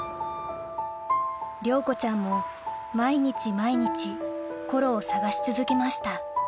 亮子ちゃんも毎日毎日コロを捜し続けました